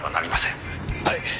はい！